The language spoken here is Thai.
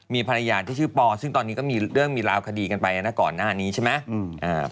มีภรรยาที่ชื่อปอซึ่งตอนนี้ก็มีเรื่องมีราวคดีกันไปนะก่อนหน้านี้ใช่ไหม